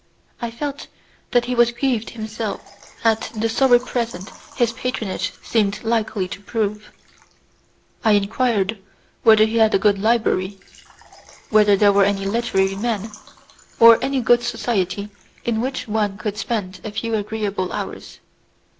I felt that he was grieved himself at the sorry present his patronage seemed likely to prove. I enquired whether he had a good library, whether there were any literary men, or any good society in which one could spend a few agreeable hours.